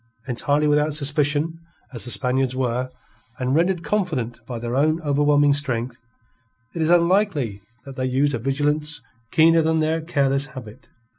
Entirely without suspicion as the Spaniards were, and rendered confident by their own overwhelming strength, it is unlikely that they used a vigilance keener than their careless habit.